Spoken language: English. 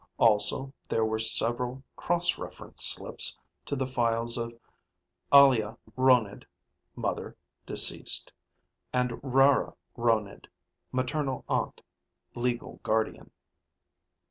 Also there were several cross reference slips to the files of Alia Ronid (mother, deceased) and Rara Ronid (maternal aunt, legal guardian).